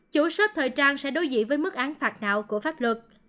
chủ shop thời trang sẽ đối dị với mức án phạt não của pháp luật